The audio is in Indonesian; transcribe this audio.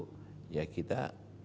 karena itu yang capital flight itu